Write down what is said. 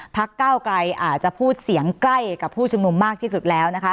พักเก้ากายอาจจะพูดเสียงใกล้กับผู้ชงมุมมากที่สุดแล้ว